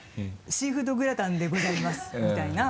「シーフードグラタンでございます」みたいな。